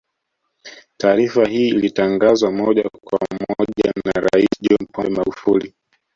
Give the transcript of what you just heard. Taarifa hii ilitangazwa moja kwa moja na Rais John Pombe Magufuli